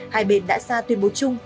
hai bên đã ra tuyên bố chung